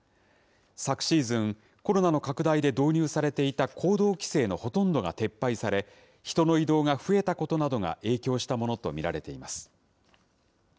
昨シーズン、コロナの拡大で導入されていた行動規制のほとんどが撤廃され、人の移動が増えたことなどが影響したものと見られています。